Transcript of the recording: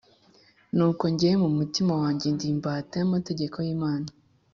Nuko njyewe mu mutima wanjye ndi imbata y'amategeko y'Imana,